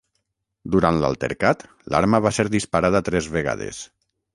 Durant l'altercat, l'arma va ser disparada tres vegades.